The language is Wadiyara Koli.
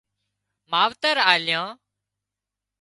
ماوتر آليان